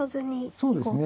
そうですね。